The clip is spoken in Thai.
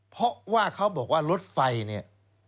เพราะว่าเขาบอกว่ารถไฟเนี่ย